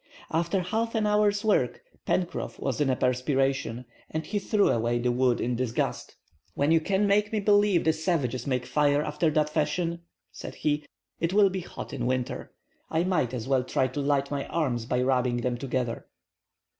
After half an hour's work Pencroff was in a perspiration, and he threw away the wood in disgust. "When you can make me believe that savages make fire after that fashion," said he, "it will he hot in winter! I might as well try to light my arms by rubbing them together."